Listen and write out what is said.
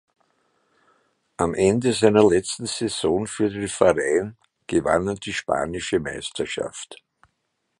Am Ende seiner letzten Saison für den Verein gewann er die Spanische Meisterschaft.